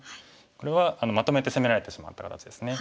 これはまとめて攻められてしまった形ですね。